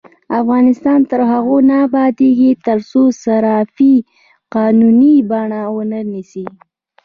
افغانستان تر هغو نه ابادیږي، ترڅو صرافي قانوني بڼه ونه نیسي.